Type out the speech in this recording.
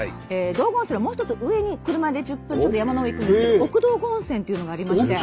道後温泉のもう一つ上に車で１０分ちょっと山の上へ行くんですけど奥道後温泉というのがありまして。